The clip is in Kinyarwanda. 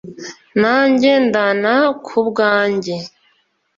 nange ndana ku bwange